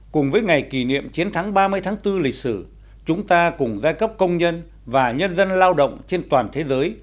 cùng với ngày kỷ niệm chiến thắng ba mươi tháng bốn lịch sử chúng ta cùng giai cấp công nhân và nhân dân lao động trên toàn thế giới